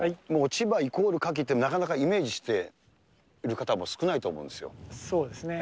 千葉イコールカキってなかなかイメージしてる方も少ないと思うんそうですね。